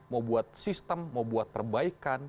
mau buat sistem mau buat perbaikan